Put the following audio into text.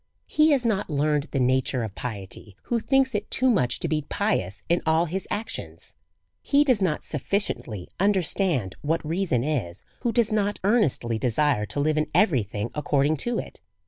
He has not learned the nature of piety who thinks it too much to be pious in all his actions. He does not sufficiently understand what reason is^ who does not earnestly desire to live in every thing ac cording to it.